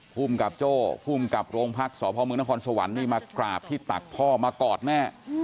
ภูมิกับโจ้ภูมิกับโรงพักษ์สพมนครสวรรค์นี่มากราบที่ตักพ่อมากอดแม่